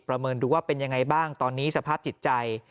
เมินดูว่าเป็นยังไงบ้างตอนนี้สภาพจิตใจ